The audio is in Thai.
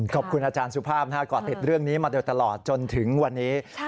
ขอบคุณอาจารย์สุภาพก่อติดเรื่องนี้มาโดยตลอดจนถึงวันนี้